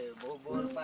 tidak tidak tidak